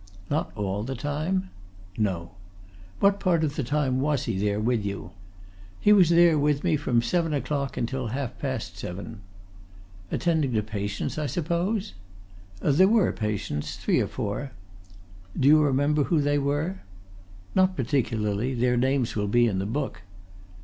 "Not all the time?" "No." "What part of the time was he there, with you?" "He was there, with me, from seven o'clock until half past seven." "Attending to patients, I suppose?" "There were patients three or four." "Do you remember who they were?" "Not particularly. Their names will be in the book."